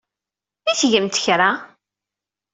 I tgemt kra?